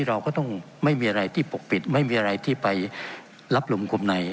เราก็ต้องไม่มีอะไรที่ปกปิดไม่มีอะไรที่ไปรับลมกลุ่มไหน